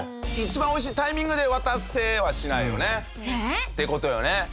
一番おいしいタイミングで渡せはしないよねって事よね。